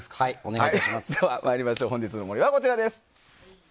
本日の森はこちらです。